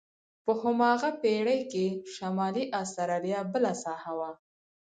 په هماغه پېړۍ کې شمالي استرالیا بله ساحه وه.